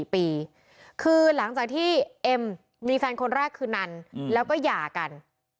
ปีคือหลังจากที่เอ็มมีแฟนคนแรกคือนันแล้วก็หย่ากัน